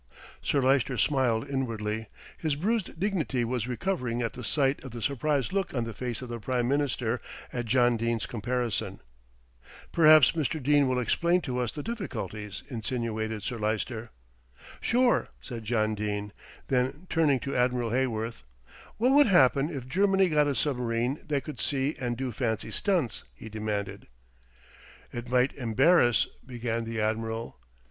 Sir Lyster smiled inwardly. His bruised dignity was recovering at the sight of the surprised look on the face of the Prime Minister at John Dene's comparison. "Perhaps Mr. Dene will explain to us the difficulties," insinuated Sir Lyster. "Sure," said John Dene; then turning to Admiral Heyworth, "What would happen if Germany got a submarine that could see and do fancy stunts?" he demanded. "It might embarrass " began the Admiral.